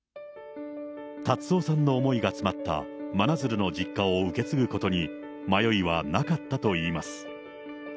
辰夫さんの思いが詰まった真鶴の実家を受け継ぐことに迷いはなかったといいます。